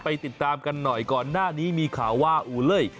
ติดตามกันหน่อยก่อนหน้านี้มีข่าวว่าอูเล่ย